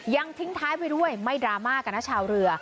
ยังทิ้งท้ายไปด้วยไม่ดราม่ากันนะชาวเรือ